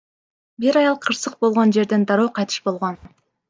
Бир аял кырсык болгон жерден дароо кайтыш болгон.